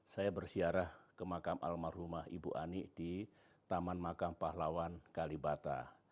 saya bersiarah ke makam almarhumah ibu ani di taman makam pahlawan kalibata